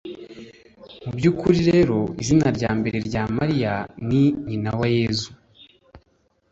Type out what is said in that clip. mu by’ukuri rero izina rya mbere rya mariya, ni « nyina wa yezu